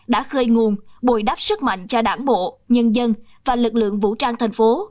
đã khơi nguồn bồi đắp sức mạnh cho đảng bộ nhân dân và lực lượng vũ trang thành phố